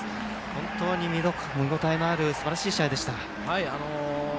本当に見応えのあるすばらしい試合でした。